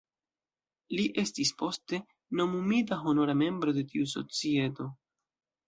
Li estis poste nomumita honora membro de tiu Societo.